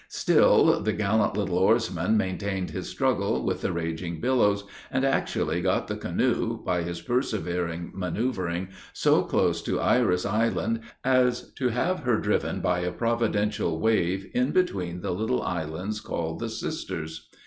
Still the gallant little oarsman maintained his struggle with the raging billows, and actually got the canoe, by his persevering manoeuvring so close to Iris Island, as to have her driven by a providential wave in between the little islands called the Sisters.